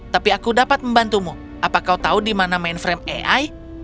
tapi aku dapat membantumu apa kau tahu di mana mainframe ai